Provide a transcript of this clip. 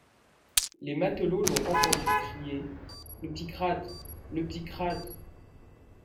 Les matelots l’ont entendu crier: « Le picrate! le picrate !